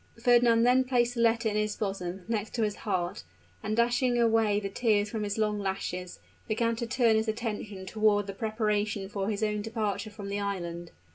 Fernand then placed the letter in his bosom, next to his heart, and dashing away the tears from his long lashes, began to turn his attention toward the preparation for his own departure from the island.